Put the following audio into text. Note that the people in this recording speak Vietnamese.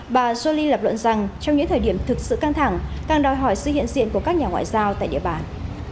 bà zone lập luận rằng trong những thời điểm thực sự căng thẳng càng đòi hỏi sự hiện diện của các nhà ngoại giao tại địa bàn